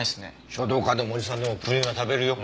書道家でもおじさんでもプリンは食べるよ。